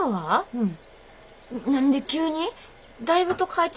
うん。